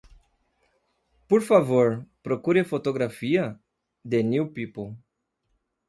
Por favor, procure a fotografia? The New People.